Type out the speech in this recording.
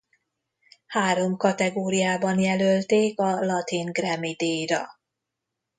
Három kategóriában jelölték a Latin Grammy-díjra.